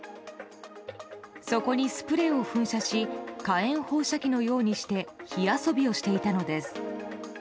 そこにスプレーを噴射し火炎放射器のようにして火遊びをしていたのです。